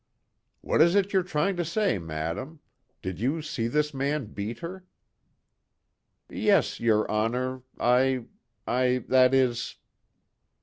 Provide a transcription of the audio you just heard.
"What is it you're trying to say, madam? Did you see this man beat her?" "Yes, your honor.... I.... I ... that is...."